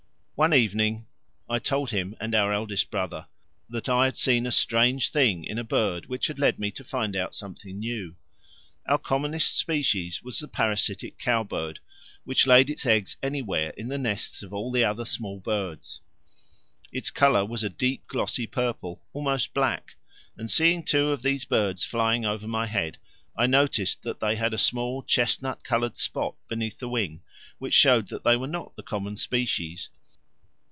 One evening I told him and our eldest brother that I had seen a strange thing in a bird which had led me to find out something new. Our commonest species was the parasitic cowbird, which laid its eggs anywhere in the nests of all the other small birds. Its colour was a deep glossy purple, almost black; and seeing two of these birds flying over my head, I noticed that they had a small chestnut coloured spot beneath the wing, which showed that they were not the common species.